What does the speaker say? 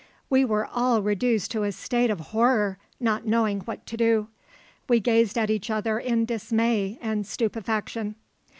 We were all reduced to a state of horror, not knowing what to do. We gazed at each other in dismay and stupefaction.